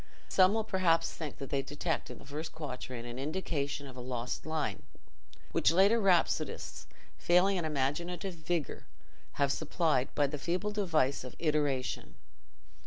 Some will perhaps think that they detect in the first quatrain an indication of a lost line, which later rhapsodists, failing in imaginative vigour, have supplied by the feeble device of iteration.